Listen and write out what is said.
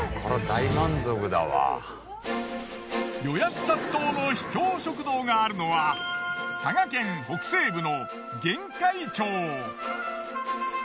予約殺到の秘境食堂があるのは佐賀県北西部の玄海町。